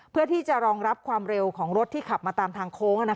เพื่อที่จะรองรับความเร็วของรถที่ขับมาตามทางโค้ง